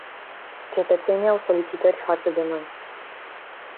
Cetățenii au solicitări față de noi.